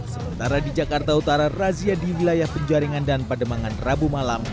sementara di jakarta utara razia di wilayah penjaringan dan pademangan rabu malam